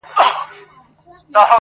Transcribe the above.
• هغه به خپل زړه په ژړا وویني.